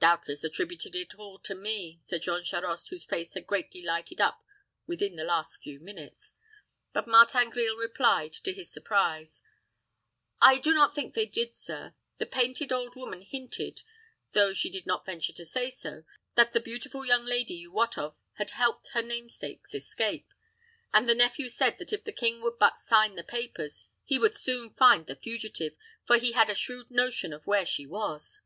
"Doubtless attributed it all to me," said Jean Charost, whose face had greatly lighted up within the last few minutes. But Martin Grille replied, to his surprise, "I do not think they did, sir. The painted old woman hinted, though she did not venture to say so, that the beautiful young lady you wot of had helped her namesake's escape; and the nephew said that if the king would but sign the papers, he would soon find the fugitive, for he had a shrewd notion of where she was."